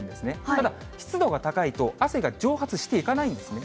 ただ、湿度が高いと、汗が蒸発していかないんですね。